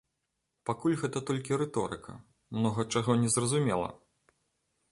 Пакуль гэта толькі рыторыка, многа чаго незразумела.